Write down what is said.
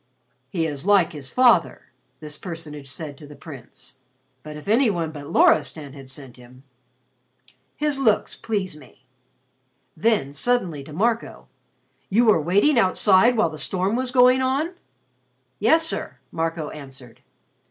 "He is like his father," this personage said to the Prince. "But if any one but Loristan had sent him His looks please me." Then suddenly to Marco, "You were waiting outside while the storm was going on?" "Yes, sir," Marco answered.